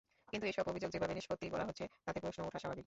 কিন্তু এসব অভিযোগ যেভাবে নিষ্পত্তি করা হচ্ছে, তাতে প্রশ্ন ওঠা স্বাভাবিক।